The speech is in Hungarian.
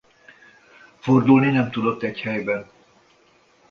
Fordulni nem tudott egy helyben.